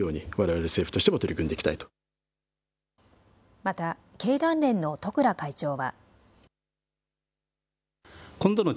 また、経団連の十倉会長は。